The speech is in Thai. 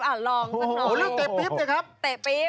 อ่ะลองสักหน่อยโอ้โหแล้วเตะปิ๊บสิครับ